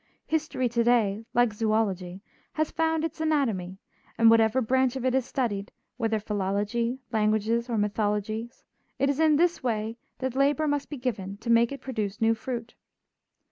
History to day, like zoölogy, has found its anatomy, and whatever branch of it is studied, whether philology, languages or mythologies, it is in this way that labor must be given to make it produce new fruit.